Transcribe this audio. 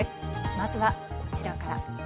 まずはこちらから。